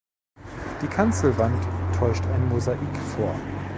Die Kanzelwand täuscht ein Mosaik vor.